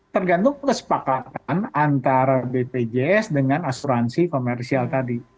tergantung kesepakatan antara bpjs dengan asuransi komersial tadi